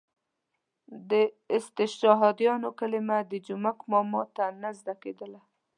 د استشهادیانو کلمه د جومک ماما ته نه زده کېدله.